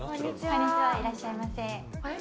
こんにちはいらっしゃいませあれ？